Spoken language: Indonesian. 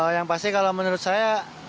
yang pasti kalau menurut saya